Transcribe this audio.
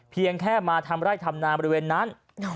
เพียงแค่มาทำไร่ทำนาบริเวณนั้น